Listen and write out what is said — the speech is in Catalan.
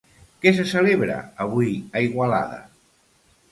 Què se celebra avui a Igualada?